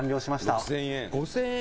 伊達：５０００円